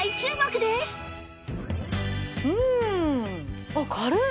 うん！あっ軽い！